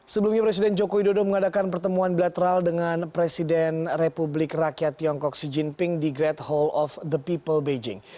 sebelumnya presiden joko widodo mengadakan pertemuan bilateral dengan presiden republik rakyat tiongkok xi jinping di great hall of the people beijing